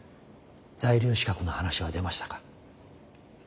在留資格の話は出ましたか？